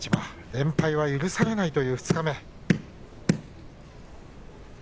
連敗は許されない二日目。